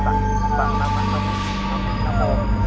ไอ้ปลายเร็วเร็ว